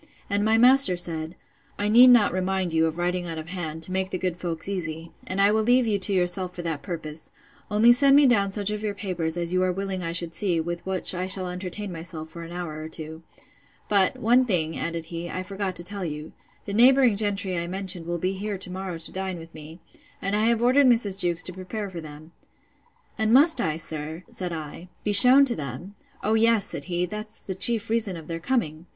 And my master said, I need not remind you of writing out of hand, to make the good folks easy: and I will leave you to yourself for that purpose; only send me down such of your papers, as you are willing I should see, with which I shall entertain myself for an hour or two. But, one thing, added he, I forgot to tell you: The neighbouring gentry I mentioned will be here to morrow to dine with me, and I have ordered Mrs. Jewkes to prepare for them. And must I, sir, said I, be shewn to them? O yes, said he; that's the chief reason of their coming.